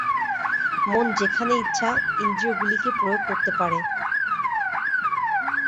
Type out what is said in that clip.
মন যেখানে ইচ্ছা ইন্দ্রিয়গুলিকে প্রয়োগ করতে পারে।